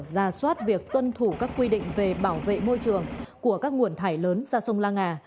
ra soát việc tuân thủ các quy định về bảo vệ môi trường của các nguồn thải lớn ra sông la nga